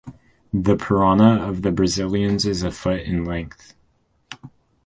The piranha of the Brazilians is a foot in length.